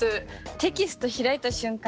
テキスト開いた瞬間